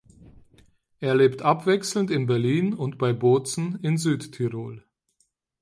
Er lebt abwechselnd in Berlin und bei Bozen in Südtirol.